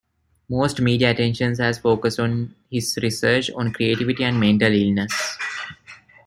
Most media attention has focused on his research on creativity and mental illness.